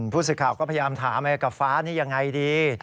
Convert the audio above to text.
พูดเสียดข่าวก็พยายามถามกระฟ้านี่อย่างไรดี